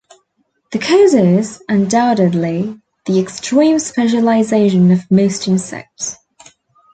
The cause is, undoubtedly, the extreme specialization of most insects.